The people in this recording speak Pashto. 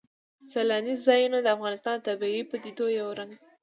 سیلانی ځایونه د افغانستان د طبیعي پدیدو یو رنګ دی.